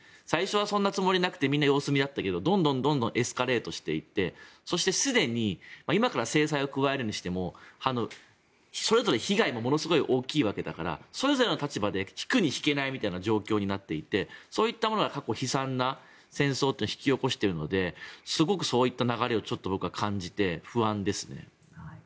最初はそんなつもりなくてみんな様子見だったけどどんどんエスカレートしていって今から制裁を加えるにしてもそれぞれ被害がものすごい大きいわけだからそれぞれの立場で引くに引けないみたいな状況になっていてそういったものが過去悲惨な戦争を引き起こしているのですごくそういった流れを僕は感じて不安ですね。